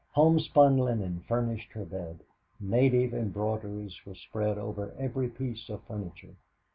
Homespun linen furnished her bed, native embroideries were spread over every piece of furniture.